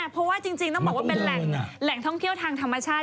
เพราะว่าจริงต้องบอกว่าเป็นแหล่งท่องเที่ยวทางธรรมชาติ